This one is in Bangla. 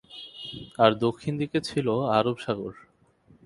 আর দক্ষিণ দিকে ছিল আরব সাগর।